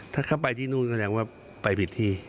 ถ้าเข้าไปที่นู่นแสดงว่าไปผิดที่